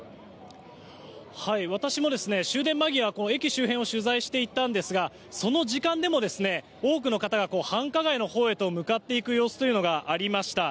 私も終電間際駅周辺を取材していたんですがその時間でも多くの方が繁華街のほうへと向かっていく様子がありました。